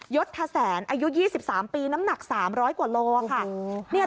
ยศแสนอายุ๒๓ปีน้ำหนัก๓๐๐กว่าโลค่ะ